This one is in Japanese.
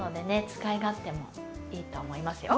使い勝手もいいと思いますよ。